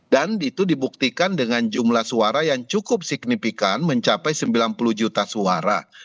dan itu dibuktikan dengan jumlah suara yang cukup signifikan mencapai sembilan puluh juta suara